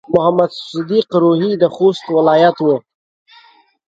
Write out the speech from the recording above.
محمد صديق روهي د خوست ولايت و.